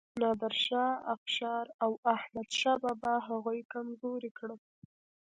نادر شاه افشار او احمد شاه بابا هغوی کمزوري کړل.